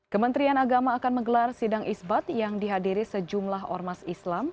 kementerian agama akan menggelar sidang isbat yang dihadiri sejumlah ormas islam